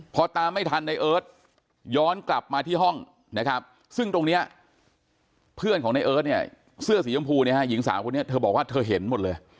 พอตามไม่ทันในเอิร์ทย้อนกลับมาที่ห้องนะครับซึ่งตรงนี้เพื่อนของในเอิร์ทเนี่ยเสื้อสีชมพูเนี่ยฮะหญิงสาวคนนี้เธอบอกว่าเธอเห็นหมดเลย